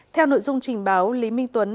theo nội dung trình báo lý minh tuấn